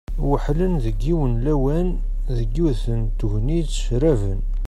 Weḥlen deg yiwen n lawan, deg yiwet n tegnit raben.